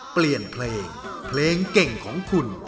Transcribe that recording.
เปลี่ยนเพลงเพลงเก่งของคุณ